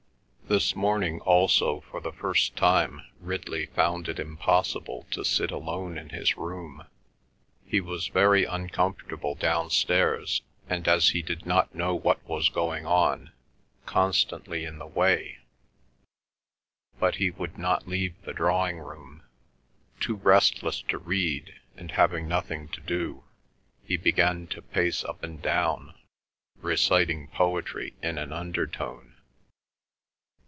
This morning also for the first time Ridley found it impossible to sit alone in his room. He was very uncomfortable downstairs, and, as he did not know what was going on, constantly in the way; but he would not leave the drawing room. Too restless to read, and having nothing to do, he began to pace up and down reciting poetry in an undertone.